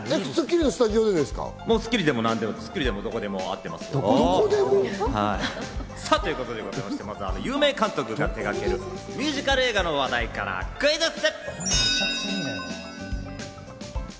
『スッキリ』でもどこでも会ってますよ。ということでございまして、まずはあの有名監督が手がけるミュージカル映画の話題からクイズッス！